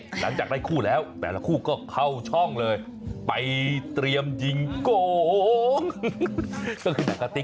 หลังจากได้คู่แล้วแบบละคู่ก็เข้าช่องเลยไปเตรียมยิงโกง